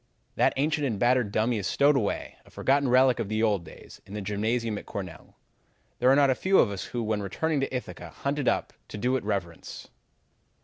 "That ancient and battered dummy is stowed away, a forgotten relic of the old days, in the gymnasium at Cornell. There are not a few of us who, when returning to Ithaca, hunt it up to do it reverence.